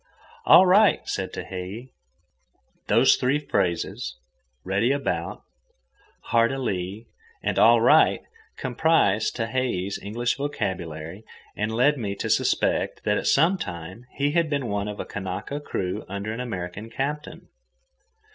"All right," said Tehei. Those three phrases, "Ready about," "Hard a lee," and "All right," comprised Tehei's English vocabulary and led me to suspect that at some time he had been one of a Kanaka crew under an American captain.